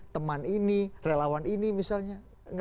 teman ini relawan ini misalnya